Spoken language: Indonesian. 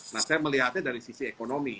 nah saya melihatnya dari sisi ekonomi